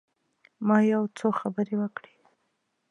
ما یو څو خبرې وکړې.